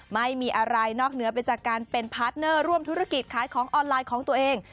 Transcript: ไม่มีอะไรนอกเหนือไปจากการเป็นพาร์ทเนอร์ร่วมธุรกิจขายของออนไลน์ของตัวเอง